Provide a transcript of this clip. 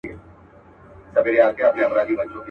باسواده مور کورنۍ خوشاله ساتي.